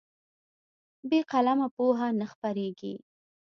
بې قلمه پوهه نه خپرېږي.